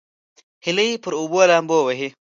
هیلۍ پر اوبو لامبو وهي